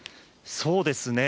そうですね。